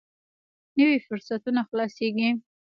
نوي فرصتونه خلاصېږي.